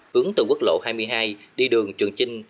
hướng từ quốc lộ hai mươi hai đi đường trường chinh